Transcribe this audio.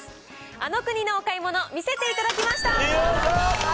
あの国のお買い物見せていただきました！